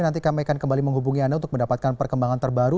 nanti kami akan kembali menghubungi anda untuk mendapatkan perkembangan terbaru